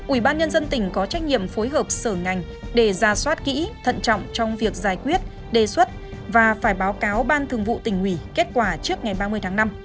ủy ban nhân dân tỉnh có trách nhiệm phối hợp sở ngành để ra soát kỹ thận trọng trong việc giải quyết đề xuất và phải báo cáo ban thường vụ tỉnh ủy kết quả trước ngày ba mươi tháng năm